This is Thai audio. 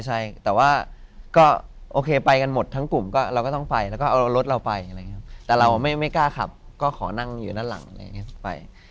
ใช่แต่ว่าก็โอเคไปกันหมดทั้งกลุ่มเราก็ต้องไปแล้วก็เอารถเราไปแต่เราไม่กล้าขับก็ขอนั่งอยู่ด้านหลังไป